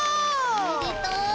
おめでとう！